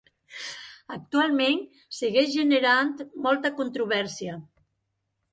Actualment, segueix generant molta controvèrsia.